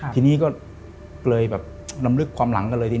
ทีนี้ก็เลยแบบลำลึกความหลังกันเลยดี